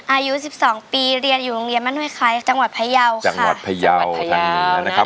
อายุ๑๒ปีเรียนอยู่โรงเรียนม่านุยคลายจังหวัดพยาวค่ะ